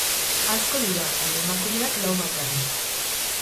Asko dira, baina emakumeak lau bakarrik.